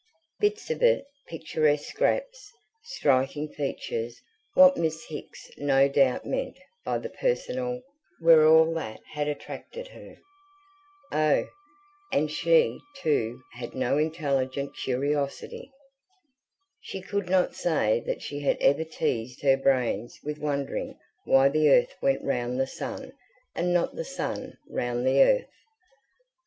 Bits of it, picturesque scraps, striking features what Miss Hicks no doubt meant by the personal were all that had attracted her. Oh, and she, too, had no intelligent curiosity. She could not say that she had ever teased her brains with wondering why the earth went round the sun and not the sun round the earth.